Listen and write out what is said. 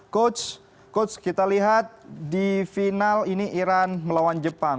coach coach kita lihat di final ini iran melawan jepang